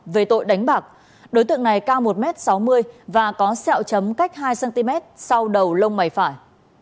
về tội đánh bạc đối tượng này cao một m sáu mươi và có sẹo chấm cách hai cm sau đầu lông mày phải